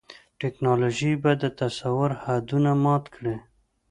ټیکنالوژي به د تصور حدونه مات کړي.